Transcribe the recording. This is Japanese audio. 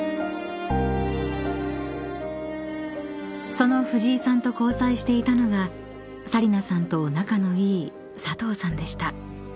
［その藤井さんと交際していたのが紗理那さんと仲のいい］